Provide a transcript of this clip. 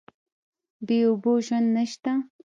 بې اوبو ژوند نشته.